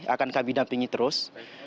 akan kami dampingi terus